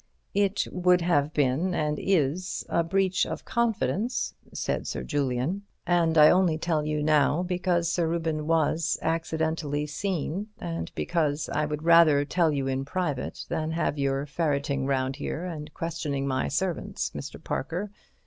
"It would have been, and is, a breach of confidence," said Sir Julian, "and I only tell you now because Sir Reuben was accidentally seen, and because I would rather tell you in private than have you ferreting round here and questioning my servants, Mr. Parker.